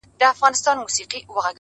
• ډېر ښکلي کلمات یې اوډلي او زه پوهېږم ,